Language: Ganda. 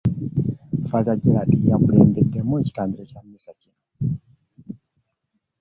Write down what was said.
Ffaaza Gerald ye yakulembeddemu ekitambiro kya mmisa kino.